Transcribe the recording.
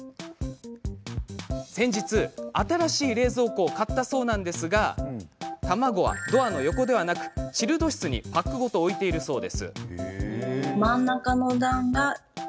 先日、新しい冷蔵庫を買ったんですが卵はドアの横ではなくチルド室にパックごと置いているそうで。